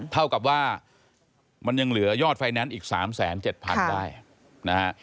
เท่ากับว่ามันยังเหลือยอดไฟแนนซ์อีก๓๗๐๐๐ได้นะฮะ